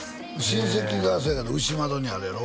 親戚がそやから牛窓にあるやろ？